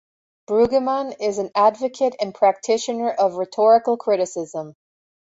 Brueggemann is an advocate and practitioner of rhetorical criticism.